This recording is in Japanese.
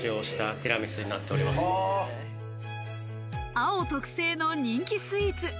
ＡＯ特製の人気スイーツ。